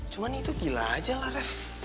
cuma itu gila aja lah ref